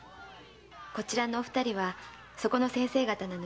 こちらのお二人はそこの先生方なのよ。